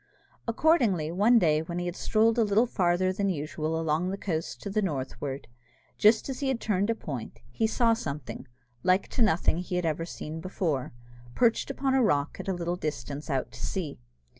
Accordingly, one day when he had strolled a little farther than usual along the coast to the northward, just as he turned a point, he saw something, like to nothing he had ever seen before, perched upon a rock at a little distance out to sea.